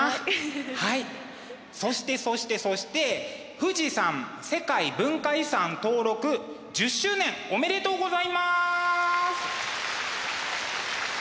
そしてそしてそして富士山世界文化遺産登録１０周年おめでとうございます！